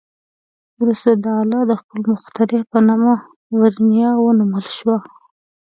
وروسته دا آله د خپل مخترع په نامه "ورنیه" ونومول شوه.